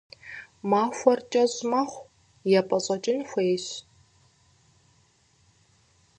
Махуэр кӏэщӏ мэхъу, епӏэщӏэкӏын хуейщ.